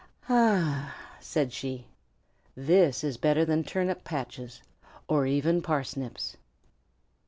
"Ah!" said she, "this is better than turnip patches or even parsnips."